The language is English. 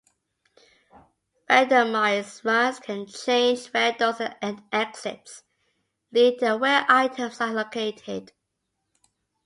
Randomised runs can change where doors and exits lead and where items are located.